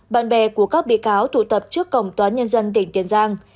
bạn bè của các bị cáo tụ tập trước cổng tòa nhân dân tỉnh tiền giang